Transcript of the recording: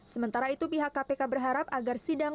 sementara itu pihak kpk berharap agar sidang